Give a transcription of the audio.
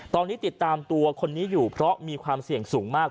ตอนนี้ติดตามตัวคนนี้อยู่เพราะมีความเสี่ยงสูงมาก